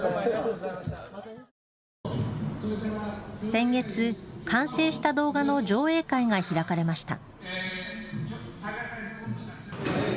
先月、完成した動画の上映会が開かれました。